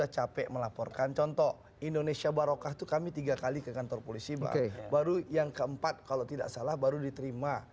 capek melaporkan contoh indonesia barokah itu kami tiga kali ke kantor polisi baru yang keempat kalau tidak salah baru diterima